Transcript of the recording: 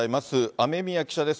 雨宮記者です。